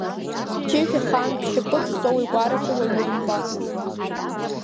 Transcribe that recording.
Ҷыжә ахаан ԥшь-шьапык зҵоу игәараҿы уаҩы имбацызт…